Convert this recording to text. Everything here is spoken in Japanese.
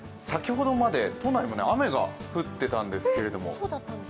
先ほどまで都内も雨が降ってたんですけど。